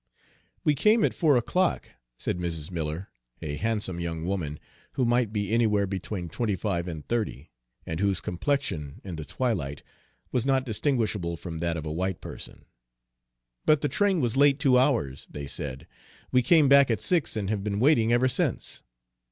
"We came at four o'clock," said Mrs. Miller, a handsome young woman, who might be anywhere between twenty five and thirty, and whose complexion, in the twilight, was not distinguishable from that of a white person, "but the train was late two hours, they said. We came back at six, and have been waiting ever since."